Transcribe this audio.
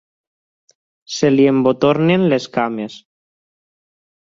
Se li embotornen les cames.